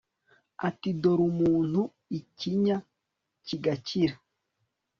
ati, dore umuntu» , ikinya kigakira